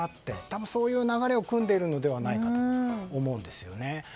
多分そういう流れをくんでいるのではないかと思うんです。